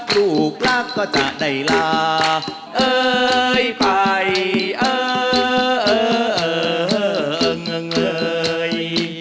ลูกรักก็จะได้ลาเอ่ยไปเอ่อเอ่อเอ่อเอ่งเอ่งเอ่ย